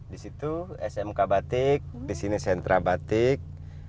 di situ smk batik di sini sentra batik